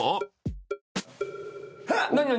何？